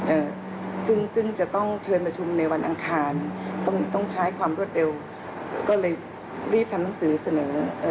เอ่อซึ่งซึ่งจะต้องเชิญประชุมในวันอังคารต้องต้องใช้ความรวดเร็วก็เลยรีบทำหนังสือเสนอเอ่อ